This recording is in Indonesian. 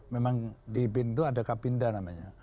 memang di bin itu ada kapinda namanya